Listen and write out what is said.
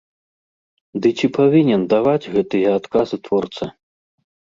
Ды ці павінен даваць гэтыя адказы творца?